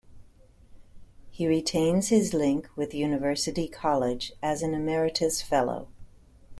He retains his link with University College as an Emeritus Fellow.